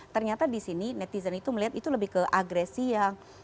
ternyata disini netizen itu melihat itu lebih ke agresi yang